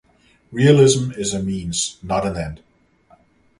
Realism is a means, not an end.